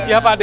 iya pak d